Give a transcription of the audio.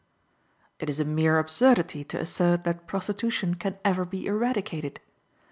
It is a mere absurdity to assert that prostitution can ever be eradicated.